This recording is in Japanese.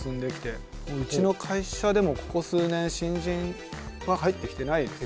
うちの会社でもここ数年新人は入ってきてないですね。